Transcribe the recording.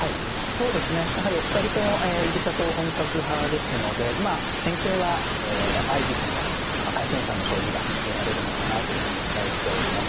そうですねやはりお二人とも居飛車党本格派ですのでまあ戦型は相居飛車の最先端の将棋が見られるのかなというふうに期待しております。